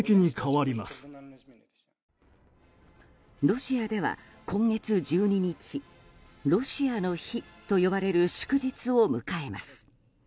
ロシアでは、今月１２日ロシアの日と呼ばれる祝日を迎えます。